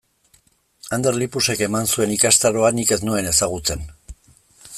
Ander Lipusek eman zuen ikastaroa nik ez nuen ezagutzen.